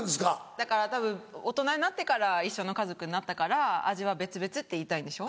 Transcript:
だからたぶん大人になってから一緒の家族になったから味は別々って言いたいんでしょ？